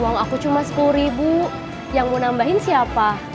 uang aku cuma sepuluh ribu yang mau nambahin siapa